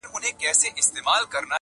غېږه تشه ستا له سپینو مړوندونو.!